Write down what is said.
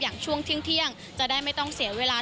อย่างช่วงที่เที่ยงจะได้ไม่ต้องเสียเวลา